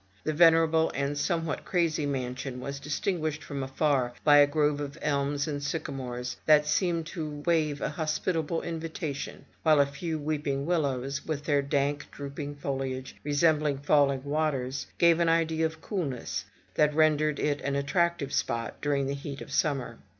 The venerable and somewhat crazy mansion was distinguished from afar by a grove of elms and sycamores that seemed to wave a hospitable invitation, while a few weeping willows, with their dank, drooping foliage, resembling falling waters, gave an idea of cool ness, that rendered it an attractive spot during the heat of summer.